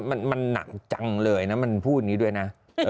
บทนี่มันนั่งจังเลยนะพูดอย่างนี้ด้วยนะ